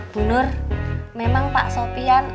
bunur memang pak sopian